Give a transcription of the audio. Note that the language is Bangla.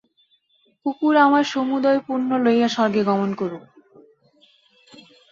কুকুর আমার সমুদয় পুণ্য লইয়া স্বর্গে গমন করুক।